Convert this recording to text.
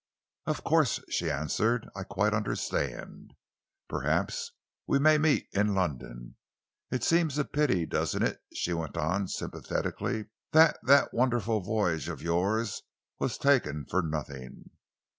"Of course," she answered. "I quite understand. Perhaps we may meet in London. It seems a pity, doesn't it," she went on sympathetically, "that that wonderful voyage of yours was taken for nothing?